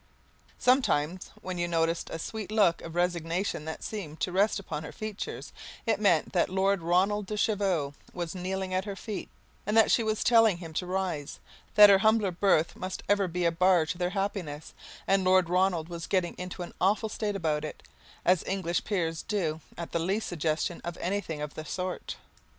Sometimes when you noticed a sweet look of resignation that seemed to rest upon her features, it meant that Lord Ronald de Chevereux was kneeling at her feet, and that she was telling him to rise, that her humbler birth must ever be a bar to their happiness, and Lord Ronald was getting into an awful state about it, as English peers do at the least suggestion of anything of the sort.